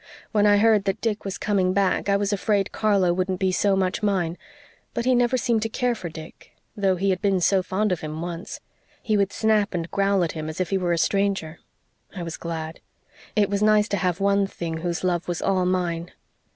When I heard that Dick was coming back I was afraid Carlo wouldn't be so much mine. But he never seemed to care for Dick, though he had been so fond of him once. He would snap and growl at him as if he were a stranger. I was glad. It was nice to have one thing whose love was all mine.